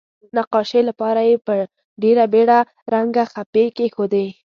نقاشۍ لپاره یې په ډیره بیړه رنګه خپې کیښودې.